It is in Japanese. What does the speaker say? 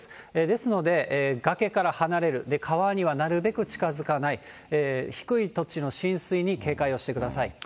ですので、崖から離れる、川にはなるべく近づかない、低い土地の浸水に警戒をしてください。